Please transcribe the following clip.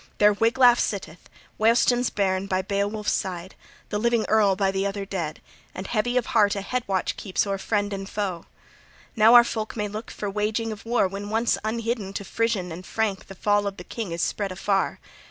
There Wiglaf sitteth, Weohstan's bairn, by Beowulf's side, the living earl by the other dead, and heavy of heart a head watch {38c} keeps o'er friend and foe. Now our folk may look for waging of war when once unhidden to Frisian and Frank the fall of the king is spread afar.